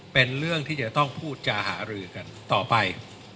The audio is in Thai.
เป็นเรื่องที่จะต้องพูดจาหารือกันต่อไป